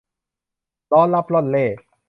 ร่อนรับร่อนเร่